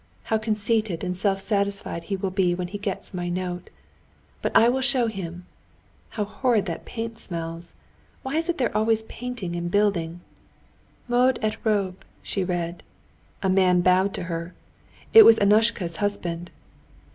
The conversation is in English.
How conceited and self satisfied he will be when he gets my note! But I will show him.... How horrid that paint smells! Why is it they're always painting and building? Modes et robes, she read. A man bowed to her. It was Annushka's husband.